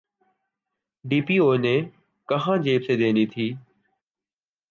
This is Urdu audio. ڈی پی او نے کہاں جیب سے دینے تھے۔